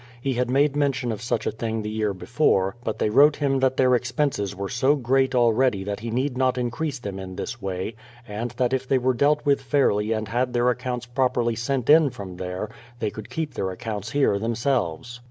He had made mention of such a thing the year before, but they wrote him that their expenses were so great already that he need not increase them in this way, and that if they were dealt with fairly and had their accounts properly sent in from there, they could keep their accounts here themselves.